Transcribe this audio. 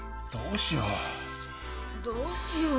どうしよう。